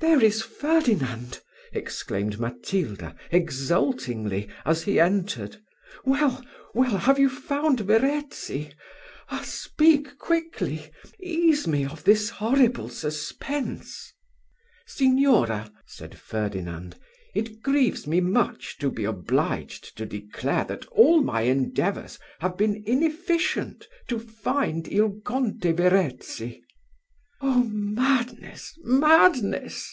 "There is Ferdinand!" exclaimed Matilda, exultingly, as he entered "Well, well! have you found Verezzi? Ah! speak quickly! ease me of this horrible suspense." "Signora!" said Ferdinand, "it grieves me much to be obliged to declare, that all my endeavours have been inefficient to find Il Conte Verezzi ." "Oh, madness! madness!"